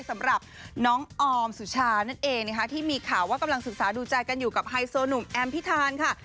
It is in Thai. สำหรับน้องออมสุชานั่นเองนะคะที่มีข่าวว่ากำลังศึกษาดูใจกันอยู่กับไฮโซหนุ่มแอมพิธานค่ะ